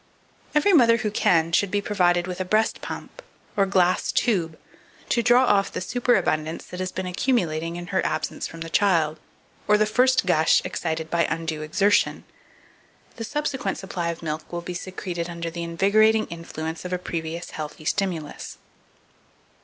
2479. Every mother who can, should be provided with a breast pump, or glass tube, to draw off the superabundance that has been accumulating in her absence from the child, or the first gush excited by undue exertion: the subsequent supply of milk will be secreted under the invigorating influence of a previous healthy stimulus.